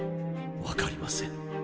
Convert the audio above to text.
分かりません